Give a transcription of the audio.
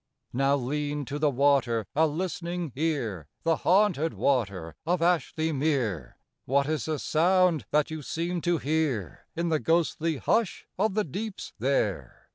Now lean to the water a listening ear, The haunted water of Ashly Mere: What is the sound that you seem to hear In the ghostly hush of the deeps there?